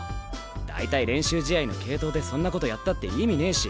大体練習試合の継投でそんなことやったって意味ねえし